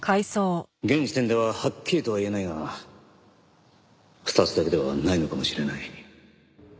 現時点でははっきりとは言えないが２つだけではないのかもしれない。